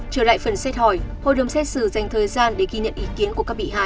trở lại phần xét hỏi hội đồng xét xử dành thời gian để ghi nhận ý kiến của các bị hại